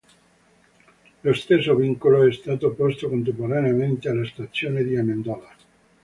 Lo stesso vincolo è stato posto contemporaneamente alla stazione di Amendola.